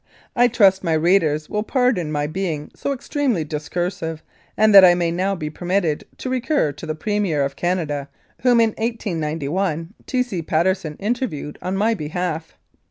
I trust my readers will pardon my being so extremely discursive, and that I may now be permitted to recur to the Premier of Canada whom, in 1891, T. C. Patteson interviewed on my behalf.